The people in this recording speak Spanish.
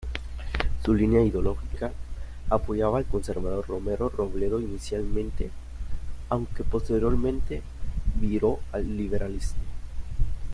Su línea ideológica apoyaba al conservador Romero Robledo inicialmente, aunque posteriormente viró al liberalismo.